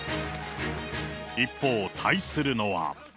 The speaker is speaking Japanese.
一方、対するのは。